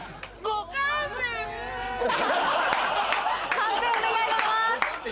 判定お願いします。